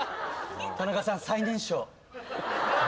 田中さん最年少。